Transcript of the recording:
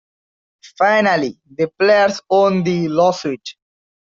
Finally, the players won the lawsuit.